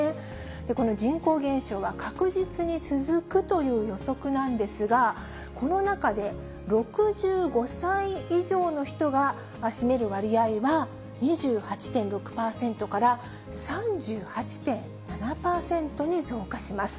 この人口減少は確実に続くという予測なんですが、この中で６５歳以上の人が占める割合は２８．６％から３８．７％に増加します。